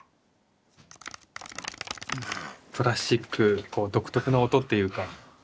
プラスチック独特の音っていうか